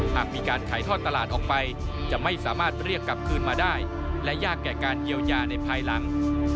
หากมีการขายทอดตลาดออกไปจะไม่สามารถเรียกกลับคืนมาได้และยากแก่การเยียวยาในภายหลัง